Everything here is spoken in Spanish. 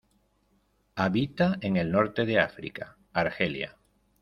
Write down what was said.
Habita en el norte de África, Argelia.